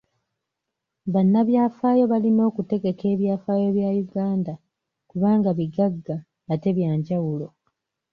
Bannabyafaayo balina okutegeka ebyafaayo bya Uganda kubanga bigagga ate bya njawulo.